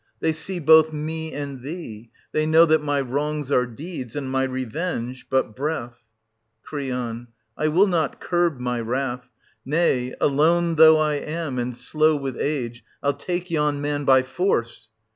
They see both me and thee; they know that my wrongs are deeds, and my revenge — but breath. Cr. I will not curb my wrath — nay, alone though I am, and slow with age. Til take yon man by force.